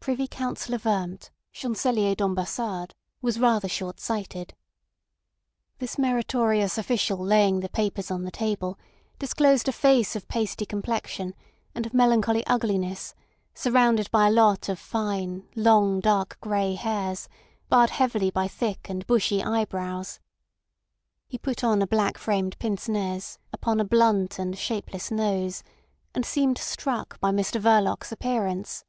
Privy Councillor Wurmt, Chancelier d'Ambassade, was rather short sighted. This meritorious official laying the papers on the table, disclosed a face of pasty complexion and of melancholy ugliness surrounded by a lot of fine, long dark grey hairs, barred heavily by thick and bushy eyebrows. He put on a black framed pince nez upon a blunt and shapeless nose, and seemed struck by Mr Verloc's appearance.